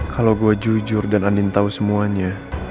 kalo gue jujur dan andin tau semuanya